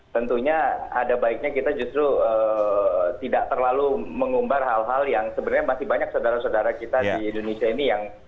tentunya ada baiknya kita justru tidak terlalu mengumbar hal hal yang sebenarnya masih banyak saudara saudara kita di indonesia ini yang